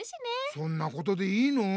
そんなことでいいの？